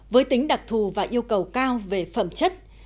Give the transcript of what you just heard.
với tính đặc thù và yêu cầu cao về phẩm chất